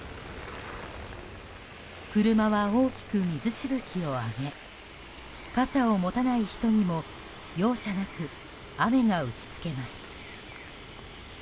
車は大きく水しぶきを上げ傘を持たない人にも容赦なく雨が打ち付けます。